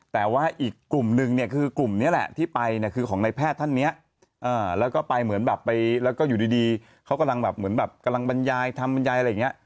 แต่ว่าอีกกลุ่มนึงเนี่ยคือกลุ่มนี้แหละที่ไปเนี่ยคือของนายแพทย์ท่านเนี่ยแล้วก็ไปเหมือนแบบไปแล้วก็อยู่ดีเขากำลังแบบเหมือนแบบกำลังบรรยายทำบรรยายอะไรอย่างนี้